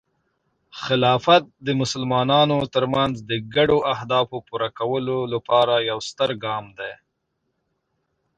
خلافت د مسلمانانو ترمنځ د ګډو اهدافو پوره کولو لپاره یو ستر ګام دی.